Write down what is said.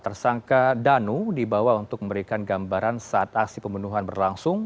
tersangka danu dibawa untuk memberikan gambaran saat aksi pembunuhan berlangsung